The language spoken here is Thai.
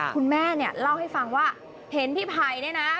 คุณแม่เล่าให้ฟังว่าเห็นพี่ไผ่นะ